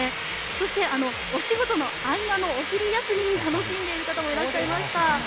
そして、お仕事の合間のお昼休みに楽しんでいる方もいらっしゃいました。